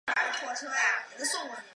属北巴西郡。